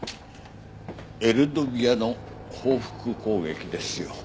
エルドビアの報復攻撃ですよ。